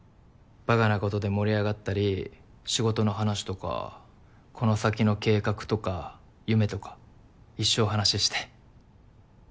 ばかなことで盛り上がったり仕事の話とかこの先の計画とか夢とか一生話して。